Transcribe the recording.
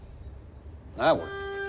何やこれ？